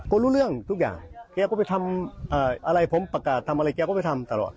ก็รู้เรื่องทุกอย่างแกก็ไปทำอะไรผมประกาศทำอะไรแกก็ไปทำตลอด